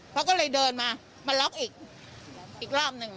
เขาก็เลยเดินมามาล็อกอีกรอบหนึ่ง